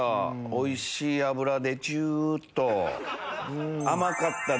おいしい脂でジュっと。